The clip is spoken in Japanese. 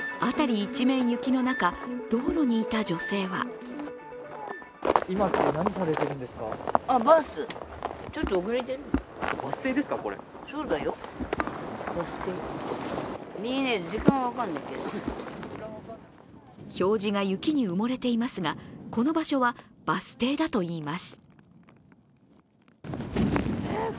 一面雪の中、道路にいた女性は表示が雪に埋もれていますが、この場所はバス停だといいます。